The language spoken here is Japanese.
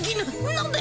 何で？